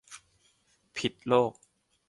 พิดโลก